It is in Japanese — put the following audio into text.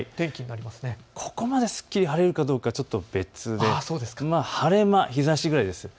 ここまですっきり晴れるかどうかちょっと晴れ間、日ざしぐらいです。